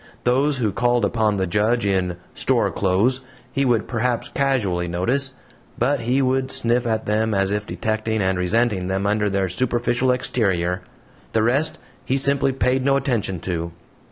Those who called upon the judge in "store clothes" he would perhaps casually notice, but he would sniff at them as if detecting and resenting them under their superficial exterior. The rest he simply paid no attention to.